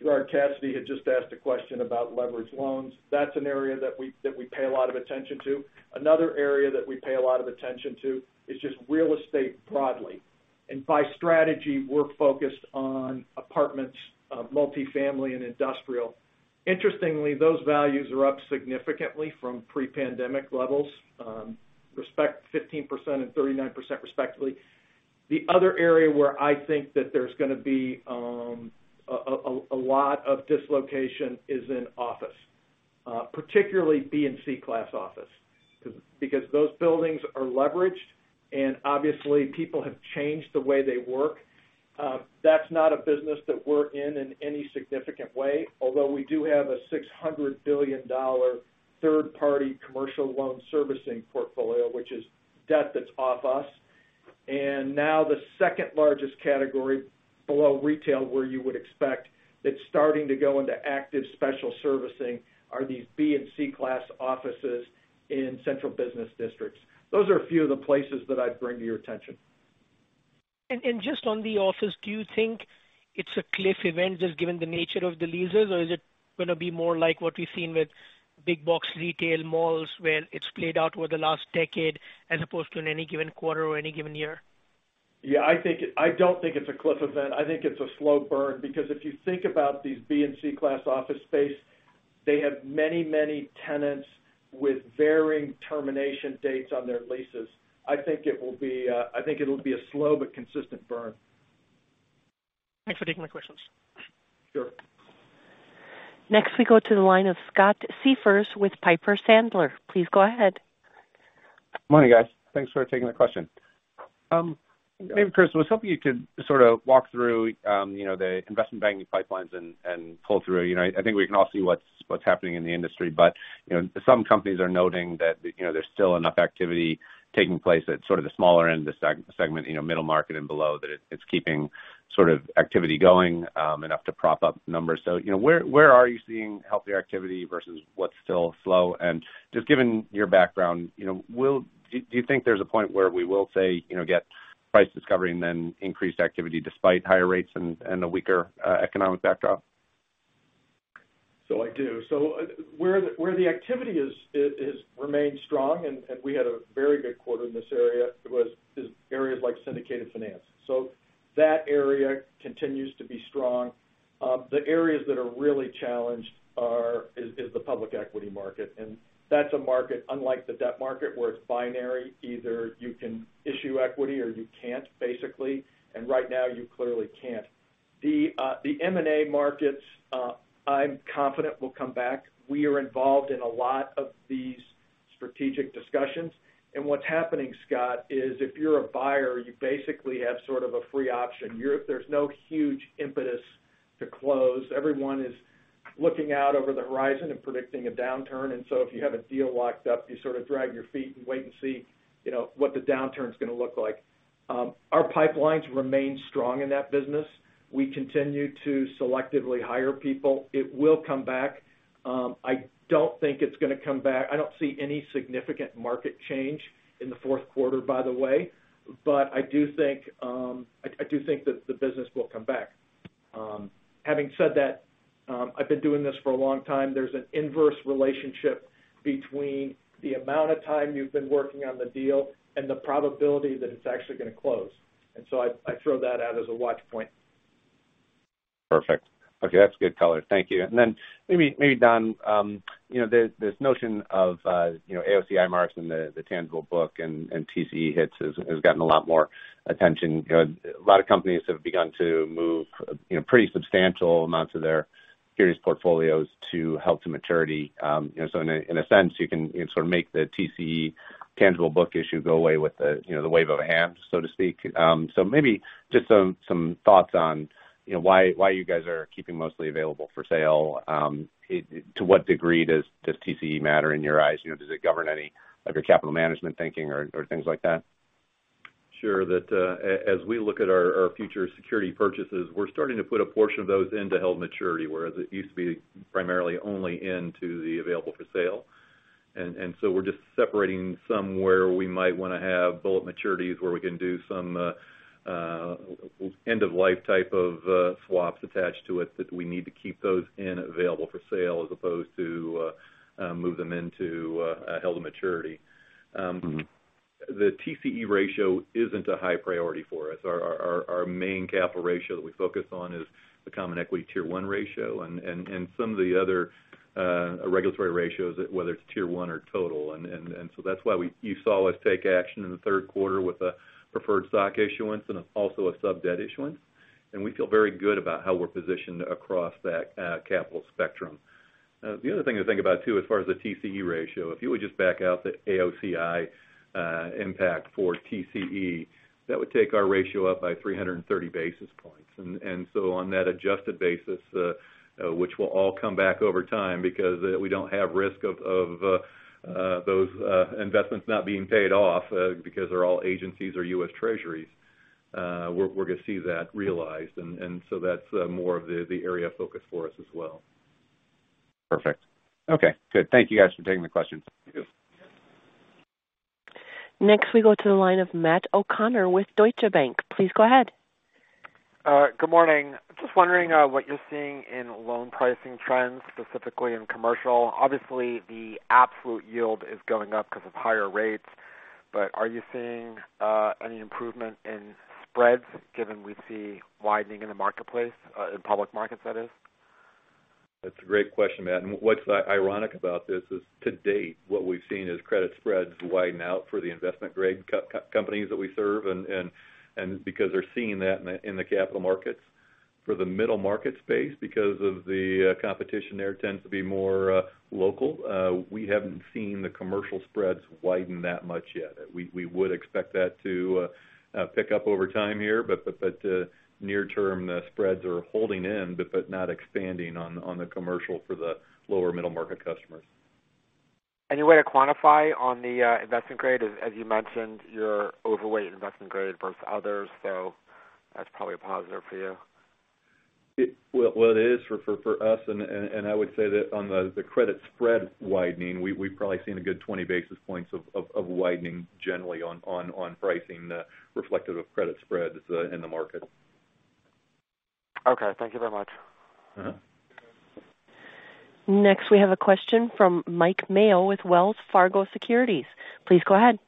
Gerard Cassidy had just asked a question about leveraged loans. That's an area that we pay a lot of attention to. Another area that we pay a lot of attention to is just real estate broadly. By strategy, we're focused on apartments, multifamily and industrial. Interestingly, those values are up significantly from pre-pandemic levels, respectively 15% and 39%. The other area where I think that there's gonna be a lot of dislocation is in office, particularly B and C class office because those buildings are leveraged, and obviously people have changed the way they work. That's not a business that we're in in any significant way, although we do have a $600 billion third-party commercial loan servicing portfolio, which is debt that's off us. Now the second largest category below retail, where you would expect that's starting to go into active special servicing are these B and C class offices in central business districts. Those are a few of the places that I'd bring to your attention. Just on the office, do you think it's a cliff event just given the nature of the leases, or is it gonna be more like what we've seen with big box retail malls, where it's played out over the last decade as opposed to in any given quarter or any given year? Yeah. I think I don't think it's a cliff event. I think it's a slow burn because if you think about these B and C class office space, they have many, many tenants with varying termination dates on their leases. I think it will be, I think it'll be a slow but consistent burn. Thanks for taking my questions. Sure. Next, we go to the line of Scott Siefers with Piper Sandler. Please go ahead. Morning, guys. Thanks for taking the question. Maybe, Chris, I was hoping you could sort of walk through, you know, the investment banking pipelines and pull through. You know, I think we can all see what's happening in the industry. You know, some companies are noting that, you know, there's still enough activity taking place at sort of the smaller end of the segment, you know, middle market and below that it's keeping sort of activity going, enough to prop up numbers. You know, where are you seeing healthier activity versus what's still slow? Just given your background, you know, do you think there's a point where we will say, you know, get price discovery and then increased activity despite higher rates and a weaker economic backdrop? I do. Where the activity is has remained strong, and we had a very good quarter in areas like syndicated finance. That area continues to be strong. The areas that are really challenged are the public equity market. That's a market unlike the debt market, where it's binary. Either you can issue equity or you can't, basically, and right now you clearly can't. The M&A markets, I'm confident will come back. We are involved in a lot of these strategic discussions. What's happening, Scott, is if you're a buyer, you basically have sort of a free option. There's no huge impetus to close. Everyone is looking out over the horizon and predicting a downturn. If you have a deal locked up, you sort of drag your feet and wait and see, you know, what the downturn's gonna look like. Our pipelines remain strong in that business. We continue to selectively hire people. It will come back. I don't think it's gonna come back. I don't see any significant market change in the fourth quarter, by the way, but I do think that the business will come back. Having said that, I've been doing this for a long time. There's an inverse relationship between the amount of time you've been working on the deal and the probability that it's actually gonna close. I throw that out as a watch point. Perfect. Okay. That's good color. Thank you. Maybe, Don, you know, there's this notion of AOCI marks and the tangible book and TCE hits has gotten a lot more attention. A lot of companies have begun to move, you know, pretty substantial amounts of their securities portfolios to held to maturity. You know, so in a sense, you can sort of make the TCE tangible book issue go away with the, you know, the wave of a hand, so to speak. Maybe just some thoughts on, you know, why you guys are keeping mostly available for sale. To what degree does TCE matter in your eyes? You know, does it govern any of your capital management thinking or things like that? Sure. That, as we look at our future security purchases, we're starting to put a portion of those into held maturity, whereas it used to be primarily only into the available for sale. We're just separating some where we might wanna have bullet maturities, where we can do some end of life type of swaps attached to it that we need to keep those in available for sale as opposed to move them into a held maturity. Mm-hmm. The TCE ratio isn't a high priority for us. Our main capital ratio that we focus on is the Common Equity Tier 1 ratio and some of the other regulatory ratios, whether it's Tier 1 or total. That's why you saw us take action in the third quarter with a preferred stock issuance and also a sub-debt issuance. We feel very good about how we're positioned across that capital spectrum. The other thing to think about too, as far as the TCE ratio, if you would just back out the AOCI impact for TCE, that would take our ratio up by 330 basis points. On that adjusted basis, which will all come back over time because we don't have risk of those investments not being paid off, because they're all agencies or U.S. Treasuries, we're gonna see that realized. That's more of the area of focus for us as well. Perfect. Okay, good. Thank you guys for taking the questions. Thank you. Next, we go to the line of Matt O'Connor with Deutsche Bank. Please go ahead. Good morning. Just wondering what you're seeing in loan pricing trends, specifically in commercial. Obviously, the absolute yield is going up because of higher rates, but are you seeing any improvement in spreads given we see widening in the marketplace in public markets that is? That's a great question, Matt. What's ironic about this is to date, what we've seen is credit spreads widen out for the investment grade companies that we serve, and because they're seeing that in the capital markets. For the middle market space, because of the competition there tends to be more local, we haven't seen the commercial spreads widen that much yet. We would expect that to pick up over time here, but near term, spreads are holding in but not expanding on the commercial for the lower middle market customers. Any way to quantify on the investment grade? As you mentioned, you're overweight investment grade versus others, so that's probably a positive for you. Well, it is for us. I would say that on the credit spread widening, we've probably seen a good 20 basis points of widening generally on pricing reflective of credit spreads in the market. Okay. Thank you very much. Uh-huh. Next, we have a question from Mike Mayo with Wells Fargo Securities. Please go ahead.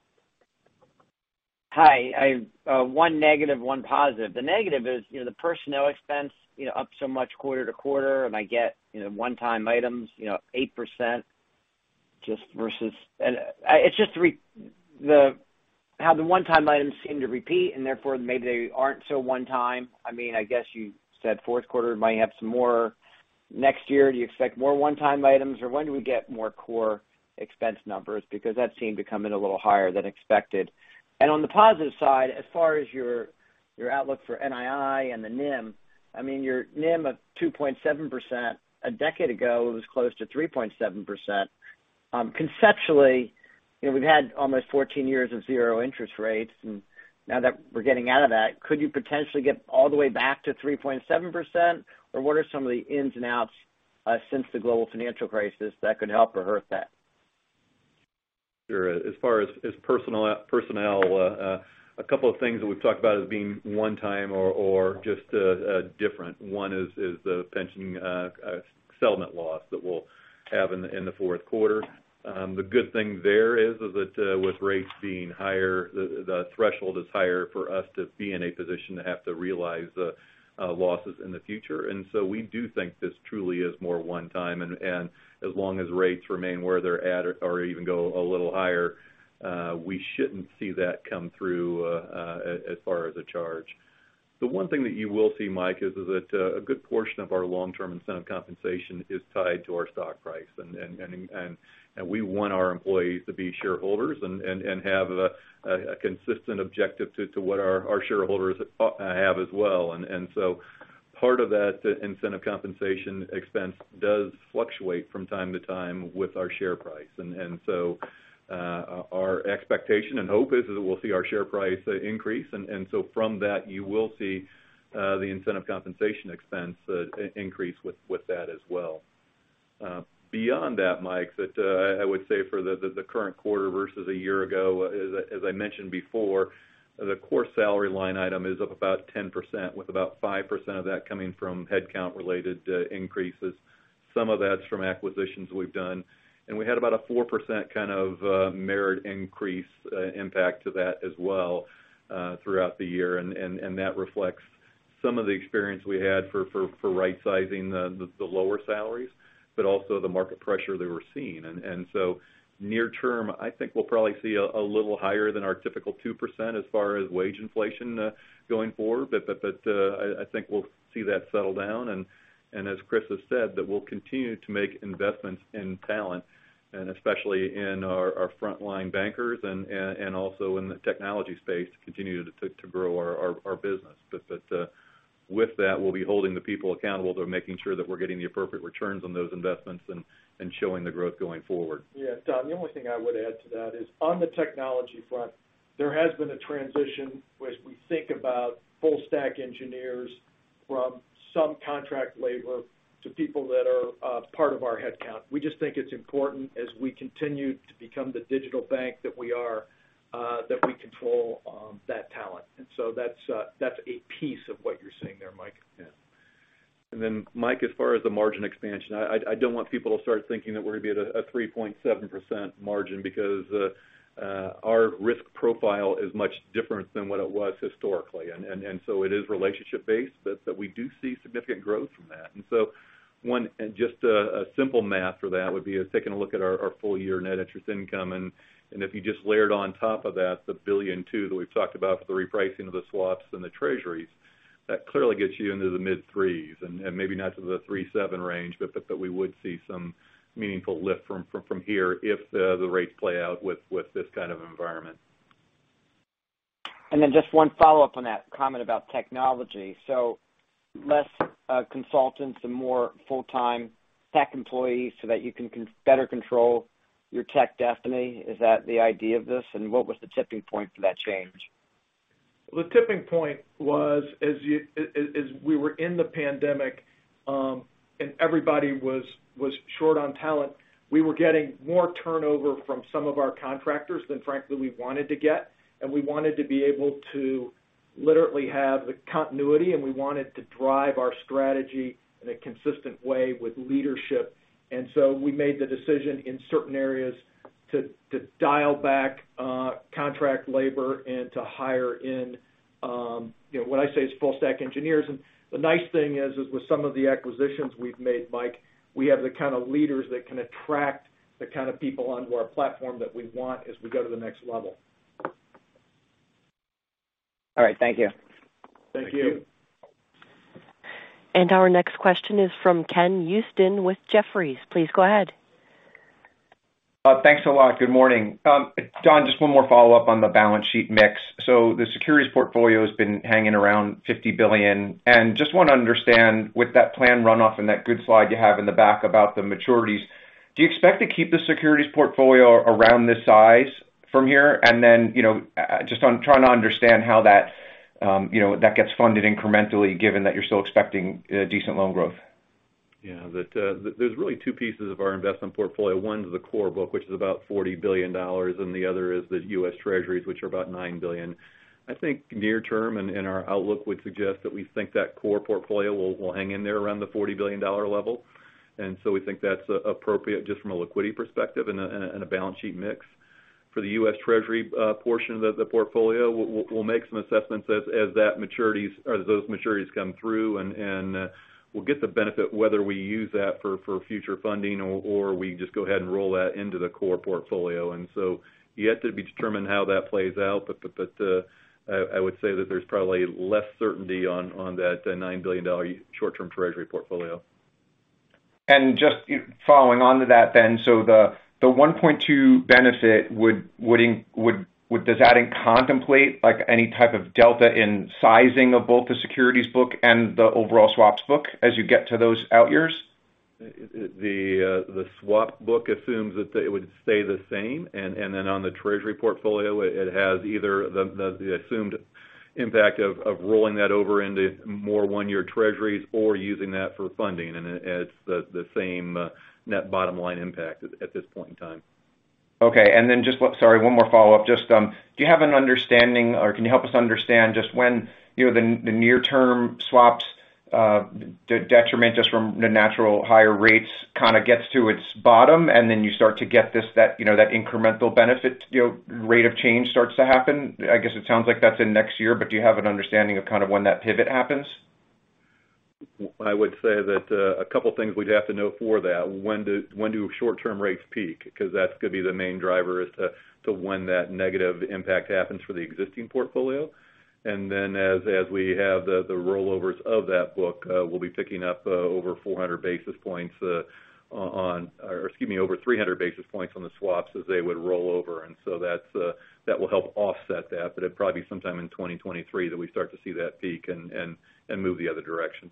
Hi. One negative, one positive. The negative is, you know, the personnel expense, you know, up so much quarter-over-quarter, and I get, you know, one-time items, you know, 8% just versus. It's just how the one-time items seem to repeat, and therefore, maybe they aren't so one time. I mean, I guess you said fourth quarter might have some more. Next year, do you expect more one-time items? Or when do we get more core expense numbers? Because that seemed to come in a little higher than expected. On the positive side, as far as your outlook for NII and the NIM, I mean, your NIM of 2.7%, a decade ago, it was close to 3.7%. Conceptually, you know, we've had almost 14 years of zero interest rates, and now that we're getting out of that, could you potentially get all the way back to 3.7%? Or what are some of the ins and outs since the global financial crisis that could help or hurt that? Sure. As far as personnel, a couple of things that we've talked about as being one time or just different. One is the pension settlement loss that we'll have in the fourth quarter. The good thing there is that with rates being higher, the threshold is higher for us to be in a position to have to realize losses in the future. We do think this truly is more one time. As long as rates remain where they're at or even go a little higher, we shouldn't see that come through as far as a charge. The one thing that you will see, Mike, is that a good portion of our long-term incentive compensation is tied to our stock price. We want our employees to be shareholders and have a consistent objective to what our shareholders have as well. Part of that incentive compensation expense does fluctuate from time to time with our share price. Our expectation and hope is that we'll see our share price increase. From that, you will see the incentive compensation expense increase with that as well. Beyond that, Mike, I would say for the current quarter versus a year ago, as I mentioned before, the core salary line item is up about 10%, with about 5% of that coming from headcount-related increases. Some of that's from acquisitions we've done. We had about a 4% kind of merit increase impact to that as well throughout the year. That reflects some of the experience we had for rightsizing the lower salaries, but also the market pressure that we're seeing. Near term, I think we'll probably see a little higher than our typical 2% as far as wage inflation going forward. I think we'll see that settle down. As Chris has said, we'll continue to make investments in talent, and especially in our frontline bankers and also in the technology space to continue to grow our business. With that, we'll be holding the people accountable to making sure that we're getting the appropriate returns on those investments and showing the growth going forward. Yeah. Don, the only thing I would add to that is on the technology front, there has been a transition, which we think about full stack engineers from some contract labor to people that are part of our headcount. We just think it's important as we continue to become the digital bank that we are, that we control that talent. That's a piece of what you're seeing there, Mike. Yeah. Mike, as far as the margin expansion, I don't want people to start thinking that we're gonna be at a 3.7% margin because our risk profile is much different than what it was historically. So it is relationship based, but we do see significant growth from that. One, just a simple math for that would be us taking a look at our full year net interest income. If you just layered on top of that, the $1.2 billion that we've talked about for the repricing of the swaps and the treasuries, that clearly gets you into the mid-3s% and maybe not to the 3.7% range, but we would see some meaningful lift from here if the rates play out with this kind of environment. Just one follow-up on that comment about technology. Less consultants and more full-time tech employees so that you can better control your tech destiny. Is that the idea of this? What was the tipping point for that change? The tipping point was, as we were in the pandemic, and everybody was short on talent, we were getting more turnover from some of our contractors than frankly we wanted to get. We wanted to be able to literally have the continuity, and we wanted to drive our strategy in a consistent way with leadership. We made the decision in certain areas to dial back contract labor and to hire in, you know, what I say is full stack engineers. The nice thing is with some of the acquisitions we've made, Mike, we have the kind of leaders that can attract the kind of people onto our platform that we want as we go to the next level. All right. Thank you. Thank you. Thank you. Our next question is from Ken Usdin with Jefferies. Please go ahead. Thanks a lot. Good morning. Don, just one more follow-up on the balance sheet mix. The securities portfolio has been hanging around $50 billion. Just wanna understand with that plan runoff and that good slide you have in the back about the maturities, do you expect to keep the securities portfolio around this size from here? You know, just on trying to understand how that, you know, that gets funded incrementally given that you're still expecting decent loan growth. Yeah. There's really two pieces of our investment portfolio. One is the core book, which is about $40 billion, and the other is the U.S. Treasuries, which are about $9 billion. I think near term our outlook would suggest that we think that core portfolio will hang in there around the $40 billion level. We think that's appropriate just from a liquidity perspective and a balance sheet mix. For the U.S. Treasury portion of the portfolio, we'll make some assessments as that maturities or those maturities come through. We'll get the benefit whether we use that for future funding or we just go ahead and roll that into the core portfolio. Yet to be determined how that plays out, but I would say that there's probably less certainty on that $9 billion short-term treasury portfolio. Just following on to that then. Does the $1.2 benefit contemplate like any type of delta in sizing of both the securities book and the overall swaps book as you get to those out years? The swap book assumes that it would stay the same. Then on the treasury portfolio, it has either the assumed impact of rolling that over into more one-year treasuries or using that for funding. It's the same net bottom line impact at this point in time. Okay. Sorry, one more follow-up. Just, do you have an understanding or can you help us understand just when, you know, the near term swaps, the detriment just from the natural higher rates kind of gets to its bottom and then you start to get this, that, you know, that incremental benefit, you know, rate of change starts to happen? I guess it sounds like that's in next year, but do you have an understanding of kind of when that pivot happens? I would say that a couple of things we'd have to know for that. When do short-term rates peak? Because that's gonna be the main driver as to when that negative impact happens for the existing portfolio. Then as we have the rollovers of that book, we'll be picking up over 300 basis points on the swaps as they would roll over. So that's that will help offset that. But it probably be sometime in 2023 that we start to see that peak and move the other direction.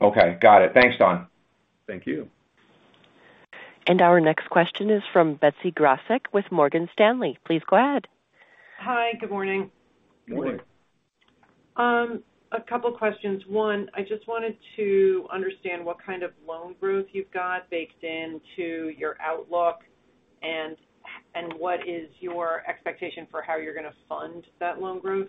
Okay, got it. Thanks, Don. Thank you. Our next question is from Betsy Graseck with Morgan Stanley. Please go ahead. Hi. Good morning. Good morning. Good morning. A couple of questions. One, I just wanted to understand what kind of loan growth you've got baked into your outlook and what is your expectation for how you're gonna fund that loan growth?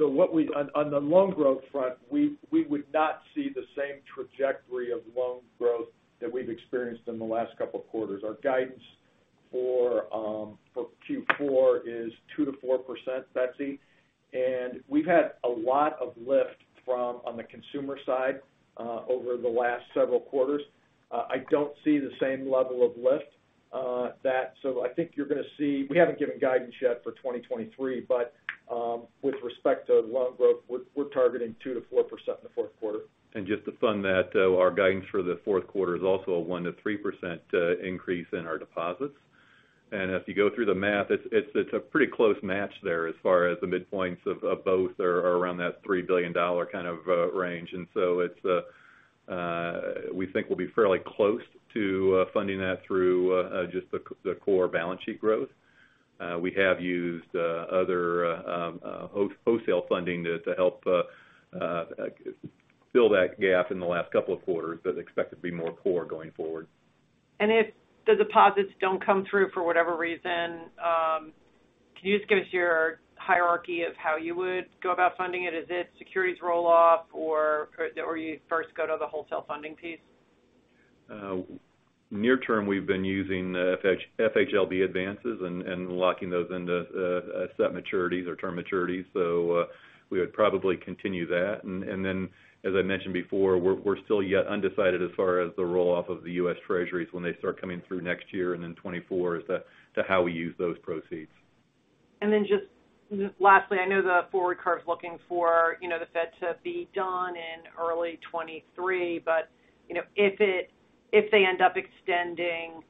On the loan growth front, we would not see the same trajectory of loan growth that we've experienced in the last couple of quarters. Our guidance for Q4 is 2%-4%, Betsy. We've had a lot of lift from the consumer side over the last several quarters. I don't see the same level of lift. I think you're gonna see we haven't given guidance yet for 2023, but with respect to loan growth, we're targeting 2%-4% in the fourth quarter. Just to fund that, though, our guidance for the fourth quarter is also a 1%-3% increase in our deposits. If you go through the math, it's a pretty close match there as far as the midpoints of both are around that $3 billion kind of range. We think we'll be fairly close to funding that through just the core balance sheet growth. We have used other wholesale funding to help fill that gap in the last couple of quarters, but expect it to be more core going forward. If the deposits don't come through for whatever reason, can you just give us your hierarchy of how you would go about funding it? Is it securities roll-off or you first go to the wholesale funding piece? Near term, we've been using FHLB advances and locking those into set maturities or term maturities. We would probably continue that. Then as I mentioned before, we're still yet undecided as far as the roll-off of the U.S. Treasuries when they start coming through next year and in 2024 as to how we use those proceeds. Then just lastly, I know the forward curve is looking for, you know, the Fed to be done in early 2023, but, you know, if they end up extending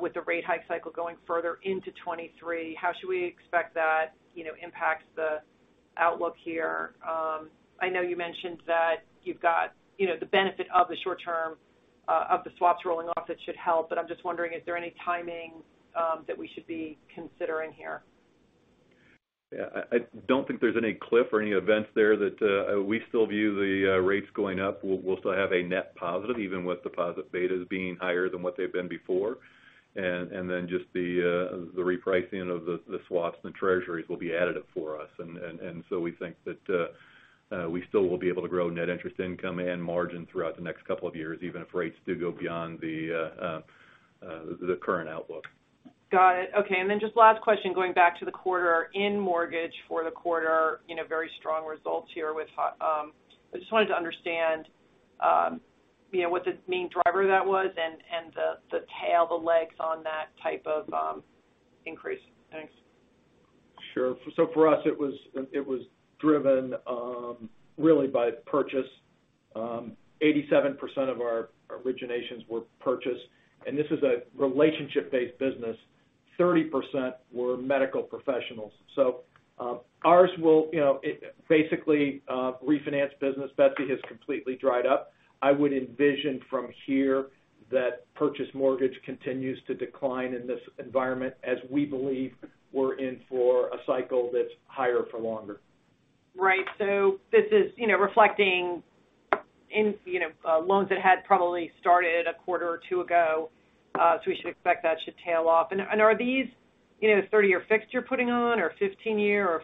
with the rate hike cycle going further into 2023, how should we expect that, you know, impacts the outlook here? I know you mentioned that you've got, you know, the benefit of the short term of the swaps rolling off that should help, but I'm just wondering, is there any timing that we should be considering here? I don't think there's any cliff or any events there that we still view the rates going up. We'll still have a net positive, even with deposit betas being higher than what they've been before. Then just the repricing of the swaps and Treasuries will be additive for us. So we think that we still will be able to grow net interest income and margin throughout the next couple of years, even if rates do go beyond the current outlook. Got it. Okay. Just last question, going back to the quarter in mortgage for the quarter, you know, very strong results here. I just wanted to understand, you know, what the main driver of that was and the tail, the legs on that type of increase. Thanks. Sure. For us, it was driven really by purchase. 87% of our originations were purchase, and this is a relationship-based business. 30% were medical professionals. Our refinance business, Betsy, has completely dried up. I would envision from here that purchase mortgage continues to decline in this environment as we believe we're in for a cycle that's higher for longer. Right. This is, you know, reflecting in, you know, loans that had probably started a quarter or two ago. We should expect that should tail off. Are these, you know, 30-year fixed you're putting on or 15-year,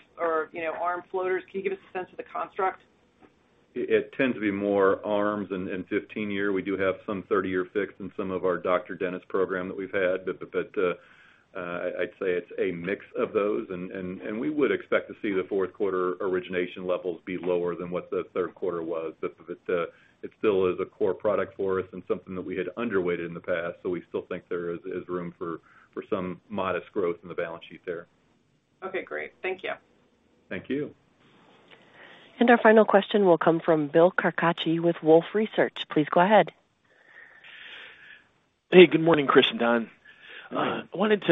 you know, ARM floaters? Can you give us a sense of the construct? It tends to be more ARMs and 15-year. We do have some 30-year fixed in some of our doctor dentist program that we've had. I'd say it's a mix of those. We would expect to see the fourth quarter origination levels be lower than what the third quarter was. It still is a core product for us and something that we had underweighted in the past. We still think there is room for some modest growth in the balance sheet there. Okay, great. Thank you. Thank you. Our final question will come from Bill Carcache with Wolfe Research. Please go ahead. Hey, good morning, Chris and Don. Good morning. I wanted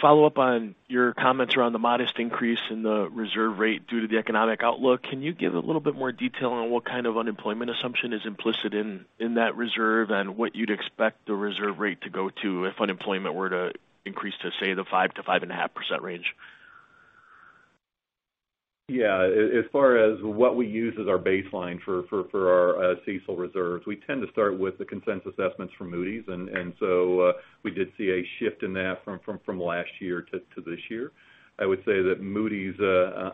to follow up on your comments around the modest increase in the reserve rate due to the economic outlook. Can you give a little bit more detail on what kind of unemployment assumption is implicit in that reserve and what you'd expect the reserve rate to go to if unemployment were to increase to, say, the 5%-5.5% range? Yeah. As far as what we use as our baseline for our CECL reserves, we tend to start with the consensus assessments from Moody's. We did see a shift in that from last year to this year. I would say that Moody's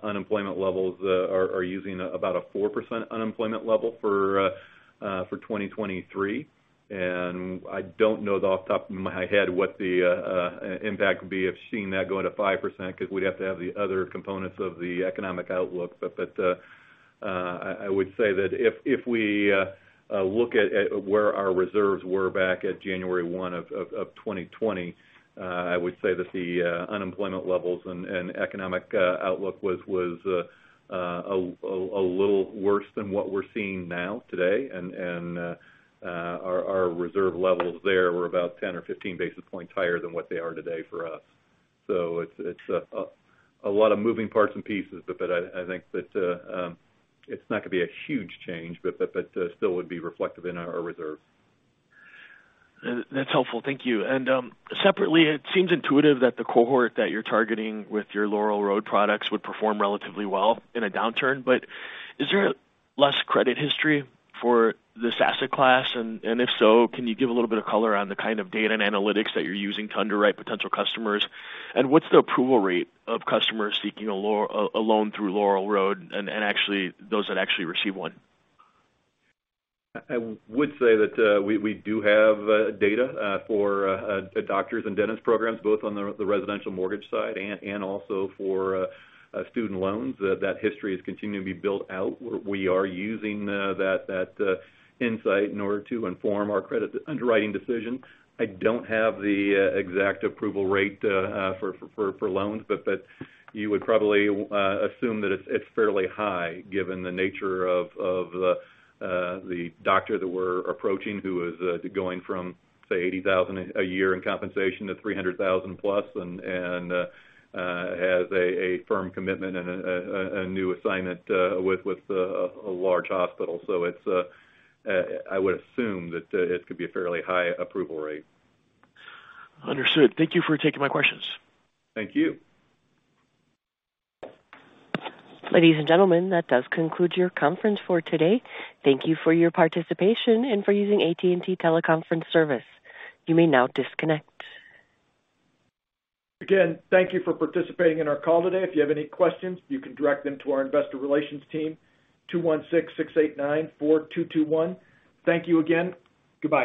unemployment levels are using about a 4% unemployment level for 2023. I don't know off the top of my head what the impact would be of seeing that go to 5%, because we'd have to have the other components of the economic outlook. I would say that if we look at where our reserves were back at January 1, 2020, I would say that the unemployment levels and economic outlook was a little worse than what we're seeing now today. Our reserve levels there were about 10 or 15 basis points higher than what they are today for us. It's a lot of moving parts and pieces, but I think that it's not gonna be a huge change, but still would be reflective in our reserve. That's helpful. Thank you. Separately, it seems intuitive that the cohort that you're targeting with your Laurel Road products would perform relatively well in a downturn. Is there less credit history for this asset class? If so, can you give a little bit of color on the kind of data and analytics that you're using to underwrite potential customers? What's the approval rate of customers seeking a loan through Laurel Road and actually those that actually receive one? I would say that we do have data for a doctor's and dentists' programs, both on the residential mortgage side and also for student loans. That history is continuing to be built out. We are using that insight in order to inform our credit underwriting decision. I don't have the exact approval rate for loans, but you would probably assume that it's fairly high given the nature of the doctor that we're approaching who is going from, say, $80,000 a year in compensation to $300,000+ and has a firm commitment and a new assignment with a large hospital. I would assume that it could be a fairly high approval rate. Understood. Thank you for taking my questions. Thank you. Ladies and gentlemen, that does conclude your conference for today. Thank you for your participation and for using AT&T Teleconference service. You may now disconnect. Again, thank you for participating in our call today. If you have any questions, you can direct them to our Investor Relations team, 216-689-4221. Thank you again. Goodbye.